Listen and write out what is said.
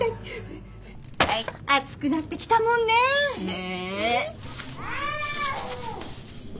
暑くなってきたもんね。ね。